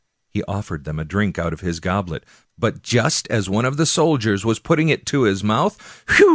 He offered 194 Washington Irving them a drink out of his goblet, but just as one of the soldiers was putting it to his mouth — whew